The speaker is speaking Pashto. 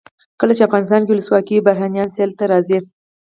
کله چې افغانستان کې ولسواکي وي بهرنیان سیل ته راځي.